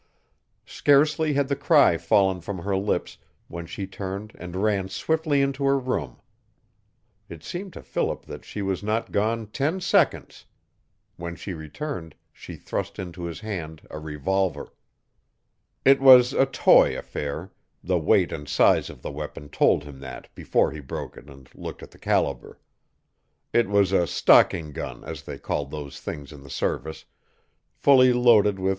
Scarcely had the cry fallen from her lips when she turned and ran swiftly into her room. It seemed to Philip that she was not gone ten seconds. When she returned she thrust into his hand a revolver. It was a toy affair. The weight and size of the weapon told him that before he broke it and looked at the caliber. It was a "stocking" gun as they called those things in the service, fully loaded with